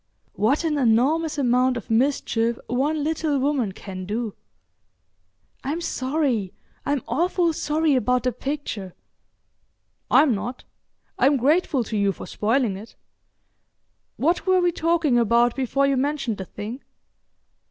"What an enormous amount of mischief one little woman can do!" "I'm sorry; I'm awful sorry about the picture." "I'm not. I'm grateful to you for spoiling it.... What were we talking about before you mentioned the thing?"